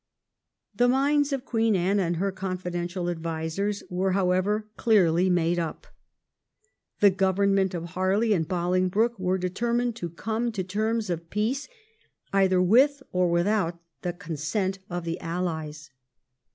The minds of Queen Anne and her confidential advisers were, however, clearly made up. The Government of Harley and Bolingbroke were deter mined to come to terms of peace, either with or with out the consent of the Allies.